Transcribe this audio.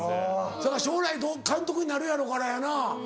そやから将来監督になるやろうからやな。